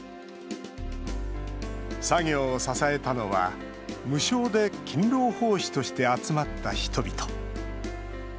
作業を支えたのは、無償で勤労奉仕として集まった人々。